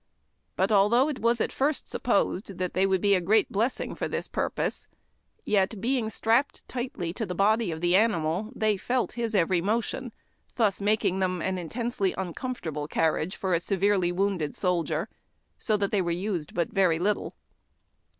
But although it was at first supposed that they would be a great blessing for this purpose, yet, being strapped tightly to the body of the animal, they felt his every motion, thus making them an intensely uncomfortable carriage for a severely wounded soldier, so that they were used but very little.